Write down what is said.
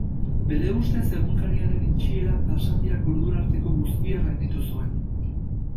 Bere ustez Egunkaria-ren itxiera basatiak ordura arteko guztia gainditu zuen.